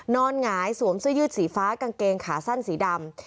หงายสวมเสื้อยืดสีฟ้ากางเกงขาสั้นสีดำ